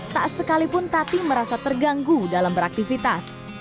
tak sekalipun tati merasa terganggu dalam beraktivitas